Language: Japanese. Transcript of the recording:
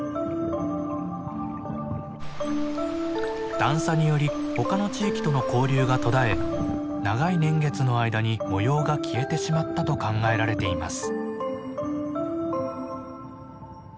段差により他の地域との交流が途絶え長い年月の間に模様が消えてしまったと考えられています。